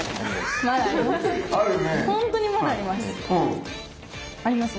本当にまだあります。